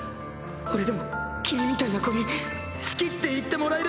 俺でも君みたいな子に好きって言ってふふっ。